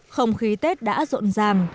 không khí tết đã rộn ràm